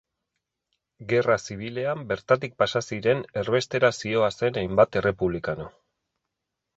Gerra Zibilean bertatik pasa ziren erbestera zihoazen hainbat errepublikano.